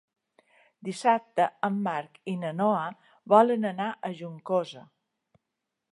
Dissabte en Marc i na Noa volen anar a Juncosa.